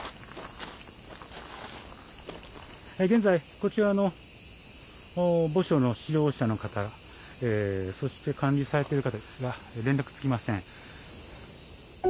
現在こちらの墓所の使用者の方そして管理されてる方ですが連絡つきません。